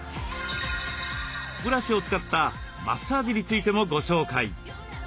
ブラシを使ったマッサージについてもご紹介。